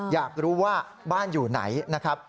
อยากรู้ว่าบ้านอยู่ไหนนะครับ